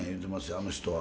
あの人は。